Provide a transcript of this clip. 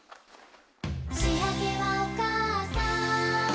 「しあげはおかあさん」